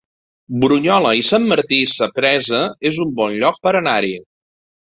Brunyola i Sant Martí Sapresa es un bon lloc per anar-hi